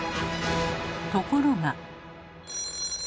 ところが。